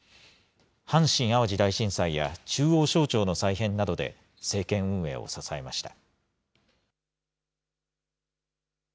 阪神・淡路大震災や中央省庁の再編などで政権運営を支えました。